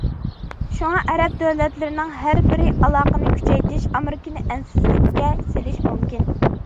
شۇڭا، ئەرەب دۆلەتلىرىنىڭ ھەربىي ئالاقىنى كۈچەيتىشى ئامېرىكىنى ئەنسىزلىككە سېلىشى مۇمكىن.